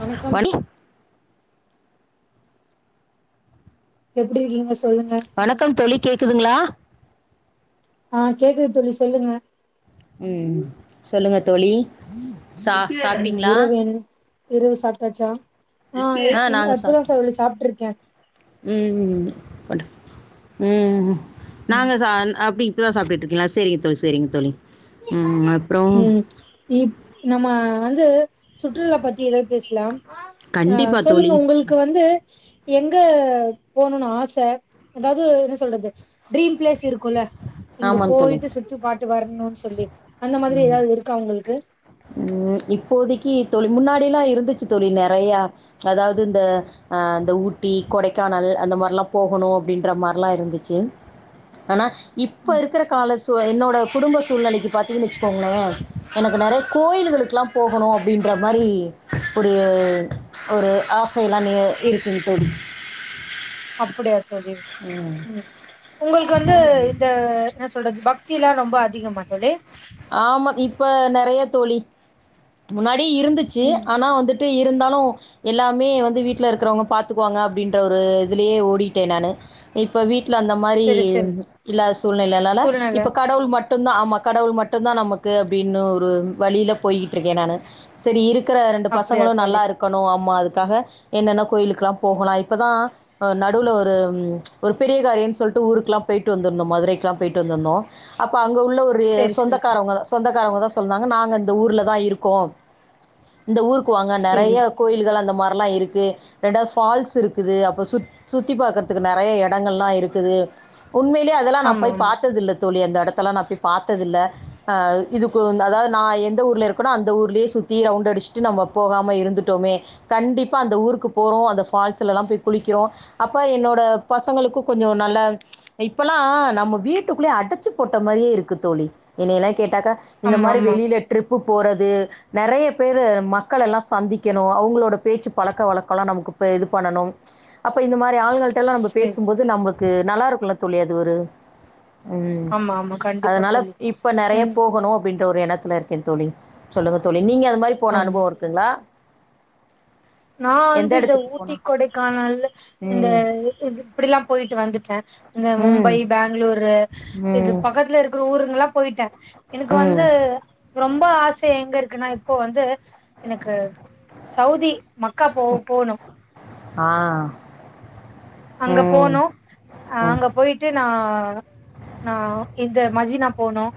வணக்கம் வணி எப்டி இருக்கீங்க சொல்லுங்க வணக்கம் தோழி கேக் குதுங்களா ஆஹ் கேக்குது தோழி சொல்லுங்க உம் சொல்லுங்க தோழி சா ம் சாப்ட்டீங்ளா இரவு என் இரவு சாப்ட்டாச்சா ஆ நாங்க அப்பதா சாப்ட்டோ சார் சாப்ட்ருக்கே படு ம் ம் நாங்க சான் அப்டி இப்பதா சாப்ட்டுருக்கீங்களா சொிங் தோழி செரிங் தோழி ம் அப்றோ ம் இப் நம்ம வந்து சுற்றுலா பத்தி ஏதாது பேசலா ஆ கண்டிப்பா சொல்லுங்க தோழி உங்களுக்கு வந்து எங்க போணுனு ஆச அதாது என்ன சொல்றது ட்ரீம் ப்ளேஸ் இருக் குள்ள இங்க ஆமாங்க தோழி போயிட்டு சுத்தி பாட்டு வர்ணு தொல்லி அந்த மாதிரி ஏதாது இருக்கா உங்களுக்கு கி தோழி முன்னாடில்லா இருந்துச்சு தோழி நெறைய அதாவது இந்த அஹ் இந்த ஊட்டி கொடைக்கானல் அந்த மாதிரிலா போகணு அப்டின்ற மார்லா இருந்துச்சு ஆனா இப்போ இருக்கிற கால சூ என்னோட குடும்ப சூழ்நிலைக்கு பார்த்தீங்கன்னு வச்சுக்கோங்களே எனக்கு நெறைய கோயில்களுக்கலா போகணு அப்டின்ற மாரி ஒரு ஒரு ஆசையெல்லா ந இருக்குங்க தோழி அப்டியா தோழி ம் உங்களுக்கு வந்து இந்த ன்ன சொல்றது பக்தில்லா ரொம்ப அதிகமா தோழி ஆமா இப்ப நறய தோழி முன்னா டி இருந்துச்சு ம் ஆனா வந்துட்டு இருந்தா னு எல்லாமே வந்து வீட்டல இருக்கிறவங்க பார்த்துக்குவாங்க அப்படின்ற ஒரு இதுலயே ஓடிட்டே நானு இப்ப வீட் ல அந்த மாரி செரி செரி இல்ல சூழ்நிலைல்லால சூழ்நில இப்ப கடவுள் மட் மட்டுதா ஆமா கடவுள் மட் ட்டுதா நமக்கு அப்டின்னு ஒரு வழியில போயிட்டுருக்கே நானு சரி இரு க்கற ரெண்டு அப்டியா பசங்களு நல்லா தோழி இருக்கணு அம்மா அது காக என்னென்ன கோயிலுக்ளா போகலா இப்பதா நடுவுல ஒரு பெரிய காரிய சொல்ட்டு ஊறுக்லா போய்டு வந்துருந்தோ மதுரைக்ளா போய்டு வந்துருந்தோ ப்ப அங்க உள்ள ஒரு செரி சொந்த செரி சொந்தக்காரவங்க தான் சொன்னன்னாங்க நாங்க இந்த ஊர்லதான் இருக்கோம் இந்த ஊருக்கு வாங்க செரி நெறய கோயில்களா அந்த மார் ப்பளா இருக்கு ரெண்டாது ஃபால்ஸ் இருக்குது அப்ப சுத்தி பாக்கறதுக்கு நெறய எடங்கள்லா இருக்குது உண்மைலே அதல்லா நா ஆமா போய் ஆமா பாத்ததில்ல தோழி அந்த எடத்தலா நா போய் பாத்தது இல்ல அஹ் இதுக்கு அதாவது நான் எந்த ஊர்ல இருக்கனோ அந்த ஊர்லயே சுத்தி ரவுண்ட் அடிச்சுட்டு நம்ம போகாம இருந்துட்டோமே கண்டிப்பா அந்த ஊருக்கு போறோம் அந்த ஃபால்ஸ்ல எல்லாம் போய் குளிக்கிறோம் அப்ப என்னோட பசங்களுக்கும் கொஞ்சம் நல்ல இப்பல்லாம் நம்ம வீட்டுக்குள்ளயே அடைச்சு போட்ட மாதிரியே இருக்கு தோழி ன்னையில கேட்டாக்க இந்த ஆமா மாரி ஆமா வெளில ட்ரிப் போற நிறைய பேரு மக்கள் எல்லாம் சந்திக்கணும் அவங்களோட பேச்சு பழக்கக்கல்லாம் நமக்கு இது பண்ணும் அப்ப இந்த மாதிரி ஆண்கள்ட்டலா நம்ப செரி பேசுபோது நமபுளுக்கு நல்லாருக்குல தோழி அது ஒரு உம் ஆமா ஆமா கண்டிப்பா அதனால தோழி இப் ப்ப நறய ம் போகணு அப்டின் த்தொரு எனத்துல இருக்கேன் தோழி சொல்லுங்க தோழி நீங்க அது மாரி போன அனுபவம் இருக்குங்களா நான் எந்த வந்து இந்த இடத்துக்கு ஊட்டி போனா கொடைக்கானல் இந்த ம் இப்படிலாம் போயிட்டு வந்துட்டேன் இந்த ம் மும்பை பெங்ளூர் இது ம் பக்கத்தலருக்குற ஊருங்கலா போயிட்ட எனக்கு ம் வந்து ரொம்ப ஆசை எங்க இருக்குனா இப்போ வந்து எனக்கு சவுதி மக்கா போக போணு ஆஹ் அங்க போனோ அஹ் அங்க போய்ட்டு நா நா இந்த மஜினா போனோம்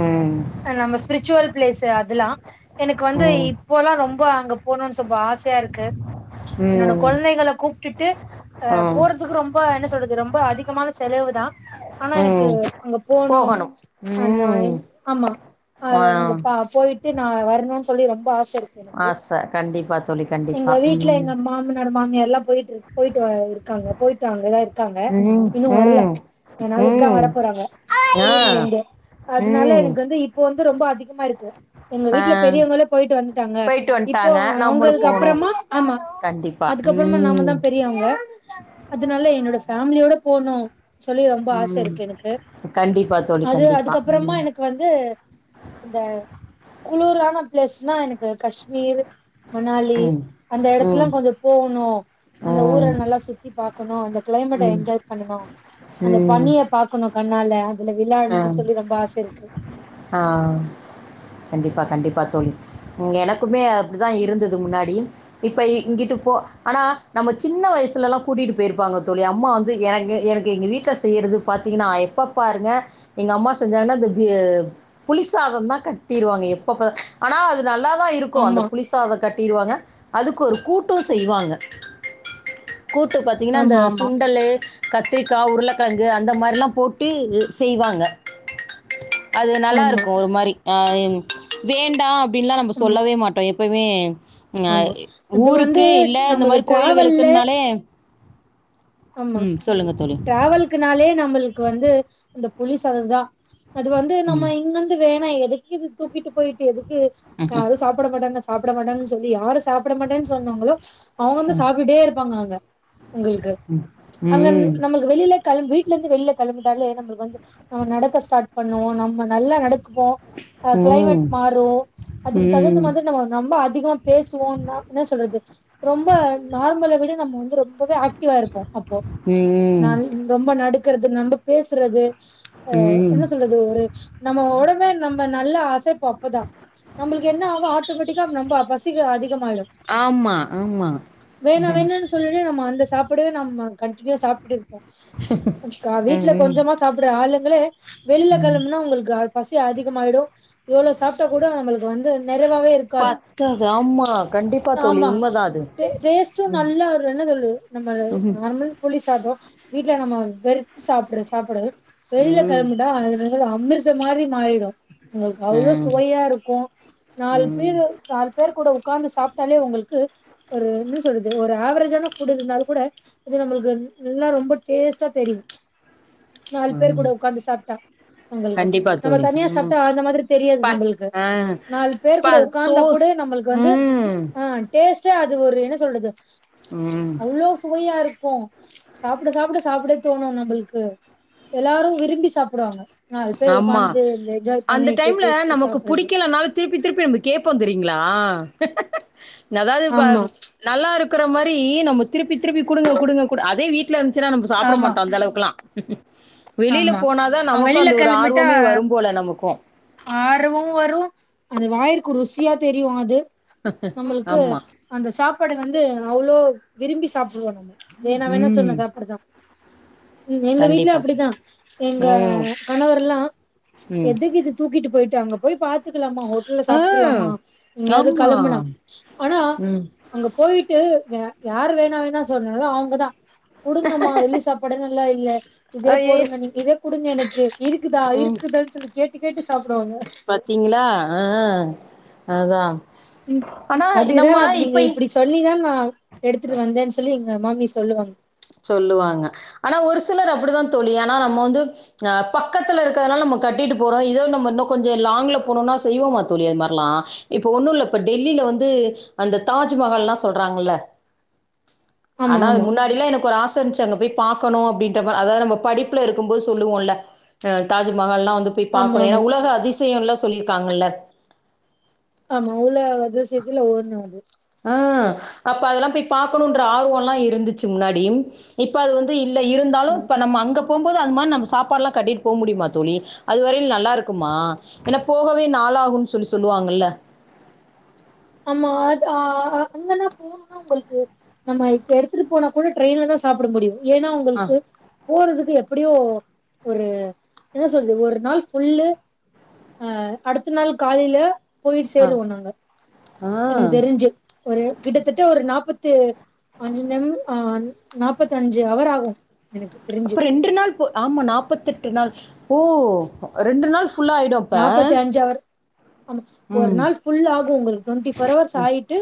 ம் நம்ம ஸ்பிரிச்சுவல் ப்ளேஸ் அதுல்லா எனக்கு வந்து இப்போல்லா ரொம்ப அங்க போகணும்னு துப ஆசையா இருக்கு ம் என்னோட ம் குழந்தைகளை கூப்பிட்டுட்டு அஹ் ம் போறதுக்கு ரொம்ப என்ன சொல்றது ரொம்ப அதிக திகமான செலவுதான் ஆனா எனக்கு ம் அங்க போனு போகணும் ம் பண்ணுவேன் ஆமா ஆ அங்க போயிட்டு நான் வரணும்ன்னு சொல்லி ரொம்ப இருக்கு எனக்கு ஆசை கண்டிப்பா தோழி கண்டிப்பா எங்க வீட்டுல ம் எங்க மாமனாரு மாமியார்லா போயிட்டு போயிட்டு இருக்காங்க போயிட்டு அங்கதாயிருக்காங்க ம் இன்னோ வரல ம் நாளிக்குதா வர ம் போறாங்க ஆ வீட்டுலயிருந்து அதனால ம் எனக்கு வந்து இப்ப வந்து ரொம்ப அதிகமா இருக்கு எங்க ஆ வீட்டுல பெரியவங்களே போயிட்டு வந்துட்டாங்க போயிட்டு இப்போ வந்துட்டாங்க நம்மளும் அவங்களுக்கு போணும் அப்புறமா ஆமா கண்டிப்பா அதுக்கப்புறமா நாம ம் தான் பெரியவங்க அதனால என்னோட ஃபேமிலியோட போனூ சொல்லி ரொம்ப ஆசை ம் இருக்கு எனக்கு கண்டிப்பா தோழி அது கண்டிப்பா அதுக்கப்புறமா ம் எனக்கு வந்து இந்த குளிரான பிளஸ் தான் எனக்கு காஷ்மீர் மனாலி ம் அந்த இடத்துலா ம் கொஞ்சம் போகணும் அந்த ஊர ம் நல்லா சுத்தி பாகணும் அந்த கிளைமேட்ட என்ஜாய் பண்ணணும் அந்த ம் பணிய பாகணும் கண்ணால அதுல விளாடணோ ம் சொல்லி ரொம்ப ஆசயிருக்கு கண்டிபா கண்டிப்பா தோழி எனக்குமே அப்படி தான் இருந்துது முன்னாடி இப்போ இங்கிட்டு போ ஆனால் நம்ம சின்ன வயசுலலாம் கூட்டிகிட்டு போயிருப்பாங்க தோழி அம்மா வந்து எனக்கு எனக்கு எங்கள் வீட்டில் செய்கிறது பார்த்திங்கன்னா எப்போ பாருங்கள் எங்க அம்மா செஞ்சாங்கன்னா அந்த புலி சாதம்தான் கட்டிருவாங்க எப்பபாரு ஆனா அது நல்லா தான் இருக்கும் அந்த ஆமா புலிசாதம் கட்டிடுவாங்க அதுக்கு ஒரு கூட்டும் செய்வாங்க கூட்டு பார்த்தீங்கன்னா அந்த ஆமா ஆமா சுண்டலு கத்திரிக்கா உருளக் வந்து அந்த மாதிரிலாபோட்டு செய்வாங்க அது ஆமா நல்லாயிருகோ ஒரு மாதிரி ஆஹ் வேண்டாம் அப்படி எல்லா நம்ம ஆமா சொல்லவே மாட்டோம் பெமே அஹ ஆமா. அது வந்து ஊருக்கு இல்ல இந்த மாதிரி நம்மளுக்கு கோயிலூகளுக்கு டிராவல்ல னாலே ஆமா தோழி டிரவலுகனாலே நம்ம க்கு வந்து இந்த புலிசாதம் தான் அது வந்து நம்ம ம் இங்கிருந்து வேண ஆ எதுக்கு இது தூக்கிட்டு போயிட்டேது யாரும் சாப்பிட மாட்டாங்க சாப்பிட மாட்டங்கன்னு சொல்லி யாரும் சாப்பிட மாட்டேன்னு சொன்னாங்களோ அவ வந்து சாப்பிட்டே இருக்கு பாங்காங்க உங்களுக்கு அங்க ம் நம்மளுககு வெளில களம்பி வீட்ல இருந்தூ வெளில கிளம்பிட்டாலே நமளுக்கு வந்து நம்ம நடக்க ஸ்டாட் பண்ணநாம் நம்ம நல்லா நட கிளைமேட் ம் மாற அதுக்கு ம் தகுொ அதிக பேசுவோம் என்ன சொல்றது ரொம்ப நார்மலை விட நம வந்து ரொ [unintelligible] இருப்போம் அபோ நா ம் ரொம்ப நடுக்கறது நம்ம பேசுறது அஹ ம் என சொல்றது ஒரு நம்ம உடம்பு நம்ம நல்ல ஆசைப்பு அப்பதான் நம்மளுக்கு என்ன ஆகும் ஆட்டோமேட்டிக்கா நம்ம பசி அதிக ஆடும் ஆமா ஆமா வேணா ம் வேன னு சொல்ல நம்ம அந்த சாப்பிவே நம்ம கண்டடினியூ சாப்பிடு அக்கா வீட்டுல ம் கொஞ்சமா சாப்பிடுற ஆளுங்களே வெளில கிளம்புனா உங்களுக்கு பசி அதிகமாயிடும் எவ்வளவு சாப்பிட்டா கூட நம்மளுக்கு வந்து நிறைவாவே இருக்காது பத்தாது ஆமா கண்டிப்பா தோழி ஆமா உண்மைதான் அது டேஸ்ட்டும் நல்லா என்ன சொல்து நம நார்மல் புளி சாதோ வீட்டு ல நம வெறுத்து சாப்ரா சாப்பிடடுறது அது வெளியில ம் கிளம்பிடா அ அம்பத் இந்த மாதிரி மாறிடும் உங்ளுக்கு அவ்லோ ம் சுவையா இருக்கோ நாலு ம் பேர் நாலு பேர் கூட உட்காந்து சாப்பிட்டாலே உங்களுக்கு ஒரு என்ன சொல்றது ஒரு ஆவரஜான புட் இருந்தாலும் கூட இது நம்மளுக்கு நல்லா ரொம்ப டேஸ்ட்டா தெரியும் நாலு பேர் கூட ம் உக்காந்து சாப்பிட்டா நம்ளுக்கு கண்டிப்பா நம்ம தோழி தனியா ம் சாப்பிட்டா அந்த மாதிரி தெரியாது ப நம்மளுக்கு ஆ நாலு பேர் ப கூட சோ உக்காந்தா கூட நம்மளுக்கு வந்து ம் ஆஹ் டேஸ்ட் ச அது ஒரு என சொல்ரது ம் பொய்யா இருக்கும் சாப்பிட சாப்பிட சாப்பிடே தோணும் நம்மளுக்கு எல்லாரும் விரும்பி சாப்பிடுவாங்க ஆமா அந்த டைம்ல பேசிட்டு நமக்கு சாப்டுறது புடிக்லனால திருப்பி திருப்பி நம்ம கேட்போம் தெரியீங்களா இஹே ஆ.... [inaudible] அதாவது ஆமா நல்லா இருக்கற மாதிரி நம்ம திருப்பி திருப்பி குடுங்க குடுங்க அதே வீட்டு வீட்ல இருந்துச்சா நம ஆமா சாப்பிடமாட்டோ அந்த அளவுக்கெல்லா [inaudible] வெளியல ஆமா போனால்தான் ஆ நமக்கு ஒரு ஆர்வமே வரும் போல நம்ம ருக்கும் ஆர்வம் வரும் அது வாயிக்கு ருசியா தெரியும் அது நம்மளுக்கு ஆமா அந்த சாப்பாடு வந்து அவ்வளோ விரும்பி சாப்ப ம் வேணாம் வேணாம் சொனா ம் சாப்பாடு தான் உம் எங்க வீட்டுல கண்டிப்பா சார் அப்படிதான் எங்க ம் கணவர் எல்லாம் ம் எதுக்கு இது போயிட்டு அங்க போய் பார்த்து ஹோட்டல்ல ஆ சாப்பிட்டுலாமா எங்கயாவது ஆமா கிளம்புன ஆனா ம் அங்க போயிட்டு வே யாரு வேணா வேணா சொன்னகளோ அவங்கதான் குடுங்கம்மா வெளி சாப்பாடுே இல்ல இல்ல இதே ஐயையோ. போடுங்க நீங்க இதே குடுங்க எனக்கு இருக்குதா ம் இருக்குதுன்னு சொல்லி கேட்டு கேட்டு சாப்டுவாங்க பாத்தீங்களா ஆஹ் அததான் ம் அதுதான் நீங்க இப்படி சொல்லி தான் நான் எடுத்துட்டு வந்தேன்னு சொல்லி மாமி சொல்லுவாங்க சொல்லுவாங்க ஆனா ஒரு சிலர் அப்படிதான் தோழி ஆனா நம்ம வந்து அஹ் பக்கத்துல இருக்கறதுனால நம்ம கட்டிட்டு போறோம் இதோ நம்ம இன்னும் கொஞ்சம் லாங்ல போனும்னா செய்வோமா தோழி அது மாதிரல்லாம் இப்ப ஒன்னும் இல்ல இப்ப டெல்லியில வந்து அந்த தாஜ்மஹால்ல்லாம் சொல்றாங்கல்ல ஆமா ஆனா அது ஆமா முன்னாடிலாம் எனக்கு ஒரு ஆசை இருந்துச்சு அங்க் பார்க்கணும் அ அத நம் படிப்புல இருக்கும்போது சொல்லுவோம் தாஜ்மஹாலா அத போய் ஆமா பாக்கணும் ஏன்னா ஆமா உலக அதிசயம்ல சொல்லியிருக்காங்கல ஆமா உள்ள [unintelligible] ஆஹ அப்ப அதெல்லாம் போய் பாார்க்கணும்ன்ற ஆர்வம்ல்லாம் இருந்துச்சு முன்னாடி இப்ப அது வந்து இ இருந்தாலும் ஆமா இப்ப நம்ம அங்க போம்போது அது மாதிரி நம்ம சாப்பாடுலாம் கட்டிட்டு போ முடியுமா தோழி அது வரையில நல்லா இருக்குமா ஏனா போகவே நாள் ஆகும் சொல்லி சொல்லுவாங்கல்ல ஆமா அ அங்கனா போகணும்னா உங்களுக்கு நம்ம எடுத்துட்டு போனா கூட ட்ரெயின்ல தான் சாப்பிட முடியும் ஏன்னா ஆ, உங்களுக்கு போறதுக்கு எப்ப எப்படியும் ஒரு என்ன சொல்றது ஒரு நாள் புஃல்லு அஹ் அடுத்த நாள் காலையில போயி ஆ. சேருவோம் நாங்க ஆ. எனக்கு தெரிஞ்சு ஒரு கிட்டத்தட்ட ஒரு நாப்பத்து அஞ்சம் ஆஹ் நாப்பத்தஞ்சு அவர் ஆகும் அப்ப ரெண்டு நாள் போ ஆமா நாப்பத்தெட் டு நாள் ஓ ரெண்டு நாள் ஃபுல்லா ஆயிடும் அப்ப. நாப்பத்தி அஞ்சு அவர் ஆமா ஒரு ம். நாள் ஃபுல் ஆகு உங்களுக்கு டுவெண்ட்டி ஃபோர் ஹவர்ஸ் ஆயிட்டு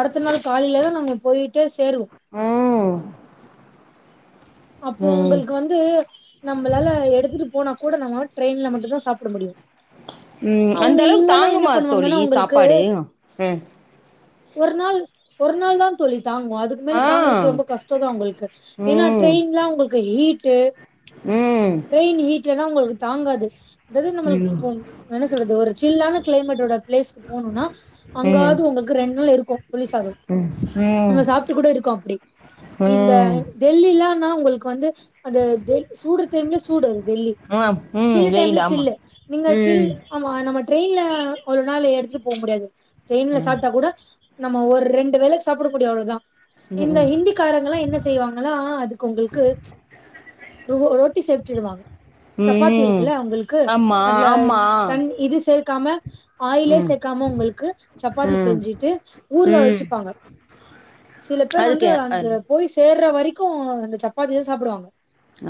அடுத்த நாள் காலையிலதா நம்ம போயிட்டே சேருவோ. ம். அப்போ ம். உங்களுக்கு வந்து நம்மளால எடுத்துட்டு போனா கூட நம்மளால ட்ரெயின்ல மட்டு்ந்தா சாப்ட முடியு. ம் அந்த அவங்க அளவுக்கு இவங்கல்லா என்ன தாங்குமா தோழி பண்ணுவாங்கன்னா உங்களுக்கு சாப்பாடு ம் ஒரு நாள் ஒர் நாள்தா தோழி தாங்கு அதுக்கு மேல ஆ. தாங்குறது ரொம்ப கஷ்டோந்தா உங்களுக்கு. ஏன்னா ம். ட்ரெயின்லா உங்களுக்கு ஹீட்டு ம். ட்ரெயின் ஹீட்லலா உங்களுக்கு தாங்காது அதாவ்து ம் நம்மளுக்கு ஆ என்ன சொல்றது ஒரு சில்லான கிளைமேட்டோட பிளேஸ்க்கு போனோன்னா ம் ம் அங்காவது உங்களுக்கு ரெண்டு நாள் இருக்கு புளி சாதோ. ம் நாங்க சாப்ட்டு கூட இருக்கோ அப்டி. இந்த ம் டெல்லிலா உங்களுக்கு வந்து அந்த தே சூடு டைம்ல சூடு அது டெல்லி ஆமாம் ம் சில்லு டைம்ல வெயில் ஆமாம் சில்லு நீங்க சில் ம் ஆமா நம்ம ட்ரெயின்ல ஒரு நாள் எடுத்துட்டு போக முடியாது ட்ரெயின்ல சாப்ட்டா கூட நம்ம ஒரு ரெண்டு வேளைக்கி சாப்படக்கடிய அளவுதா ம் இந்த ம். ஹிந்திக்காரங்கல்லா என்ன செய்வாங்களா அது [unintelligible] ரொ ரொட்டி செமிச்சிடுவாங்க சப்பாத்தி ம் இருக்குல்ல உங்களுக்கு ஆமாம் அதுல ஆமாம் தண் இது சேக் காம ஆயிலே ம் சேக்காம உங்களுக்கு சப்பாத்தி ம் செஞ்சுட்டு ஊறுகா ம் வச்சுப்பாங்க. சில பேர் வந்து அதுக்கேன் அந்த அது போய் சேர்ற வ ரைக்கு அந்த சப்பாத்திதா சாப்டுவாங்க.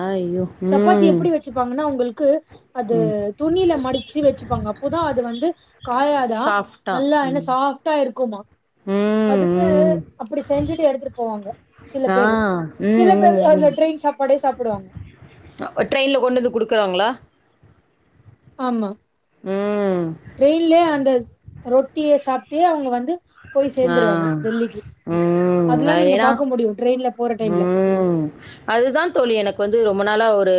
ஐயோ சப்பாத்தி ம் எப்படி வச்சுப்பாங்கன்னா உங்களுக்கு அது ம் துணியில மடிச்சு வச்சுப்பாங்க. அப்போதா அது வந்து காயாதா சாஃப்டா நல்லா என்ன ம் சாஃப்டா இருக் குமா ம் அதுக்கு ம் அப்படி செஞ்சுட்டு எடுத்துட்டு போவாங்க சில ஆ பேரு சில ம் பேர் ம் அந்த ம் ட்ரெயின் சாப்பாடே சாப்டுவாங்க அ ட்ரெயின்ல கொண்டு வந்து குடுக்கறாங்களா? ஆமா. ம் ட்ரெயின்ல அந்த ரொட் டிய சாப்ட்டே அவங்க வந்து போய் ஆ சேந்துருவாங்க டெல்லிக்கு. ம் அதெல்லா அது நீங்க ஏன்னா பாக்க முடியு ட்ரெயின்ல போற டைம்ல ம் அதுதா தோழி எனக்கு வந்து ரொம்ப நா ளா ஒரு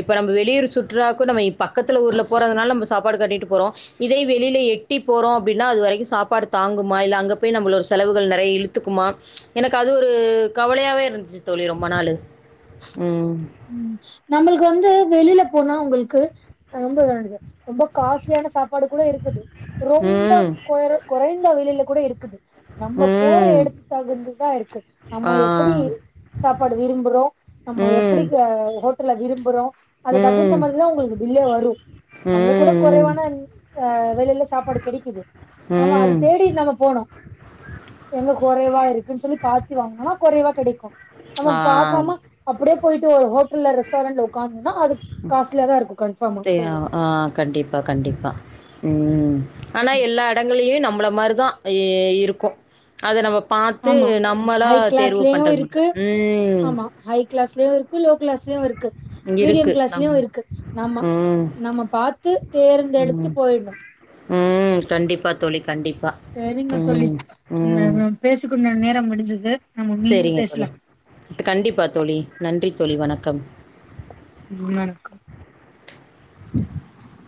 இப்ப நம்ம வெளியூர் சுற்றுலாக்கு நம்ம இப் பக்கத்துல ஊர்ல போறதுனால நம்ப சாப் பாடு கட்டிட்டு போறோ இதே வெளியில எட்டி போறோ அப்டின்னா அதுவரைக்கு சாப்பாடு தாங்குமா இல்ல அங்க போய் நம்பளோட செலவுகள் நெறைய இழுத்துக்குமா எனக்கு அது ஒரு கவலையாவே இருந்துச்சு தோழி ரொம்ப நாளு ம் கு வந்து வெளியில போனா உங்களுக்கு ஆ ரொம்ப இது ரொம்ப காஸ்ட்லியான சாப்பாடு கூட இருக்குது. ரொம்ப ம். கொற கொறைந்த விலையில கூட இருக்குது. நம்ப போற ம். எடத்துக்கு தகுந்துதா இருக்கு ஆ. நம்ம எப்படி சாப்பாடு விரும்புறோ நம்ம எ ப்டி ம். கா ஹோ ட்டல விரும்புறோ அதுக்கு தகுந்த ம். ம். மாரிதா உங்களுக்கு பில்லே வரு. அங்க கூட ம். குறைவான ஆ வெலைல சாப்பாடு கெடைக்கிது நம்ம அத ம். தேடி நம்ம போகணு எங்க கொறைவா இருக்குன்னு சொல்லி பாத்தி வாங்குனோனா கொறைவா கெடைக்கு. நம்ம ஆ. பாக்காம அப்டியே போய்ட்டு ஒரு ஹோட் டல் இல்ல ரெஸ்டாரண்ட்ல உக்காந்தம்னா அது காஸ்ட்லியாதா இருக்கு கன்ஃபார்மா. தே ஆ கண்டிப்பா கண்டிப்பா. ம் ஆனா எல்லா எடங்கள்லயு நம் மள மாரிதா இ இருக்கு அத நம்ம பாத்து ஆமா நம்மளா ஹை தேர்வு கிளாஸ்லயு பண்றது மாரிதா ம் லயு இருக் கு லோ கிளாஸ்லயு இருக்கு மீடியம் இருக்கு. நம் கிளாஸ்லயு இருக்கு நம்ம ம். நம்ம பாத்து தேர்ந்தெடுத்து ம். போயிடணு. ம் கண்டிப்பா தோழி கண்டிப்பா ம் ம் கும் நே நேரம் முடிஞ்சது செரிங்க தோழி க கண்டிப்பா தோழி நன்றி தோழி வணக்கம். ம் வணக்கம். [inaudible]